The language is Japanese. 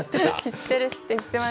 知ってる？